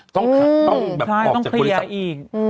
ต้องแบบออกจากบริษัท